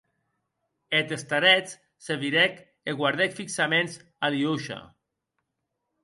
Eth starets se virèc e guardèc fixaments a Aliosha.